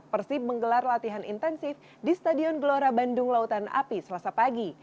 persib menggelar latihan intensif di stadion gelora bandung lautan api selasa pagi